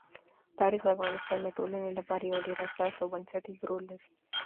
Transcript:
تاریخ د افغانستان د ټولنې لپاره یو ډېر اساسي او بنسټيز رول لري.